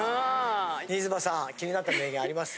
新妻さん気になった名言あります？